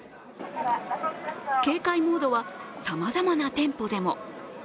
警戒モードはさまざまな店舗でも。